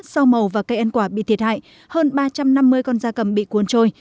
rau màu và cây ăn quả bị thiệt hại hơn ba trăm năm mươi con da cầm bị cuốn trôi